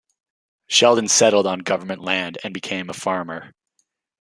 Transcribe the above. Sheldon settled on government land and became a farmer.